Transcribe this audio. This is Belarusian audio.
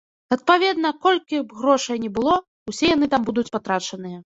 Адпаведна, колькі б грошай ні было, усе яны там будуць патрачаныя.